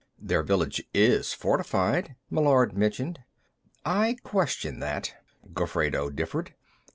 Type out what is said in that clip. "Their village is fortified," Meillard mentioned. "I question that," Gofredo differed.